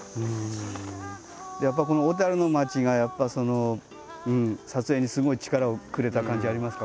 やっぱりこの小の町が撮影にすごい力をくれた感じあります。